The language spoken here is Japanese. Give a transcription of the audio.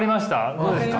どうですか？